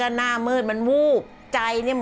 ร้องได้ให้ร้าง